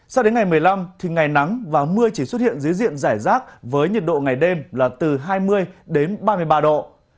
sao đến ngày một mươi năm thì ngày nắng và mưa chỉ xuất hiện dưới diện giải rác với nhiệt độ ngày đêm là từ hai mươi đến ba mươi ba độ